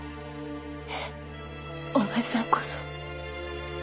お前さんこそ。